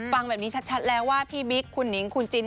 ฟังแบบนี้ชัดแล้วว่าพี่บิ๊กคุณหนิงคุณจิน